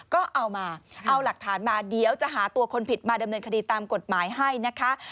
ก็เอามาเอาหลักฐานมาเดี๋ยวจะหาตัวคนผิดมาดำเนินคดีตามกฎหมายให้นะคะ